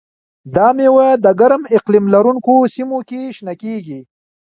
دا مېوه د ګرم اقلیم لرونکو سیمو کې شنه کېږي.